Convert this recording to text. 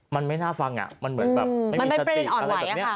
มันไม่น่าฟังมันเหมือนแบบไม่มีสติมันเป็นเรื่องอ่อนไหวค่ะ